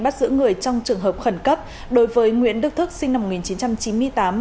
bắt giữ người trong trường hợp khẩn cấp đối với nguyễn đức thức sinh năm một nghìn chín trăm chín mươi tám